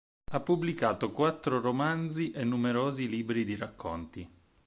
Ha pubblicato quattro romanzi e numerosi libri di racconti.